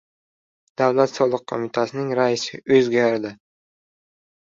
Davlat soliq qo‘mitasining raisi o‘zgaradi